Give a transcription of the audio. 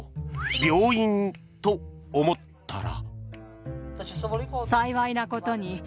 病院と思ったら。